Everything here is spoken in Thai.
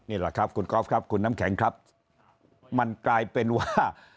นี่แหละครับคุณก๊อฟครับคุณน้ำแข็งครับมันกลายเป็นว่า